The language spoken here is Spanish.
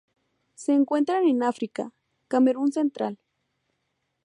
Se encuentran en África: Camerún central.